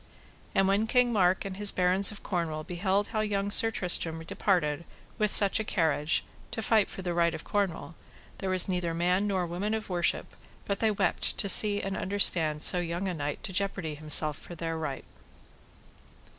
And when King Mark and his barons of Cornwall beheld how young Sir Tristram departed with such a carriage to fight for the right of Cornwall, there was neither man nor woman of worship but they wept to see and understand so young a knight to jeopardy himself for their right.